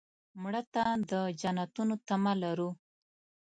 مړه ته د جنتونو تمه لرو